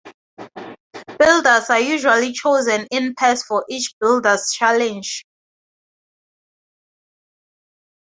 Builders are usually chosen in pairs for each Builder's Challenge.